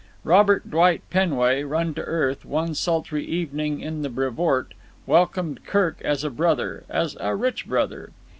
Robert Dwight Penway, run to earth one sultry evening in the Brevoort, welcomed Kirk as a brother, as a rich brother.